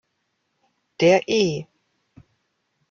Der „E.